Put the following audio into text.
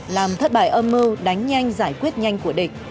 làm thất bại âm mưu đánh nhanh giải quyết nhanh của địch